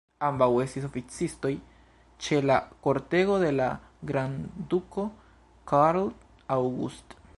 Ambaŭ estis oficistoj ĉe la kortego de la grandduko Carl August.